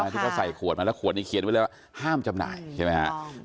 ที่เขาใส่ขวดมาแล้วขวดนี้เขียนไว้เลยว่าห้ามจำหน่ายใช่ไหมฮะ